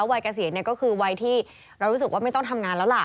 เกษียณก็คือวัยที่เรารู้สึกว่าไม่ต้องทำงานแล้วล่ะ